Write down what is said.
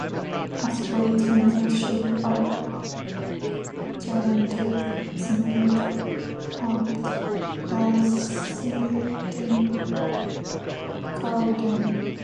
A spirit in the shape of a gigantic snake haunts the seething cauldron.